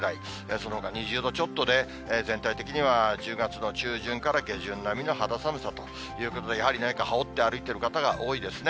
そのほか２０度ちょっとで、全体的には１０月の中旬から下旬並みの肌寒さということで、やはりね、何か羽織って歩いている方が多いですね。